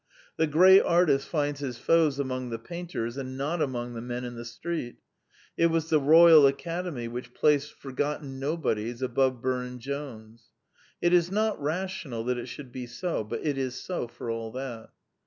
The great artist finds his foes among the painters, and not among the men in the street : it was the Royal Academy which placed forgotten nobodies above Burne Jones. It is not rational that it should be so; but it is so, for all that.